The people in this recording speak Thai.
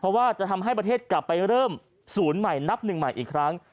เพราะว่าจะทำให้ประเทศกลับไปเริ่มศูนย์ใหม่นับหนึ่งใหม่อีกครั้ง